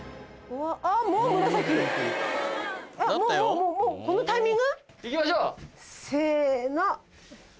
もうもうもうこのタイミング？せの！